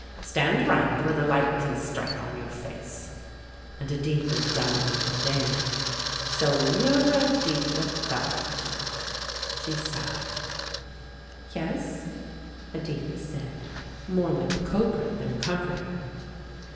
Stand round where the light can strike on your face," and Editha dumbly obeyed. "So, you're Editha Balcom," she sighed. "Yes," Editha said, more like a culprit than a comforter.